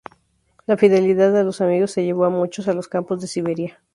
La fidelidad a los amigos llevó a muchos a los campos de Siberia.